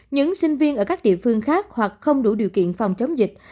những sinh viên ở các địa phương khác hoặc không đủ điều kiện phòng chống dịch